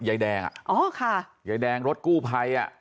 ยายแดงยายแดงรถกู้ไพร